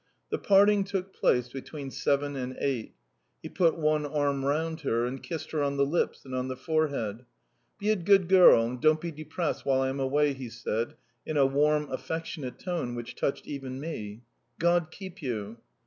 The parting took place between seven and eight. He put one arm round her, and kissed her on the lips and on the forehead. "Be a good girl, and don't be depressed while I am away," he said in a warm, affectionate tone which touched even me. "God keep you!"